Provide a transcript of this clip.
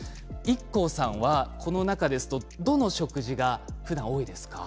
ＩＫＫＯさんはこの中ですとどの食事がふだん多いですか？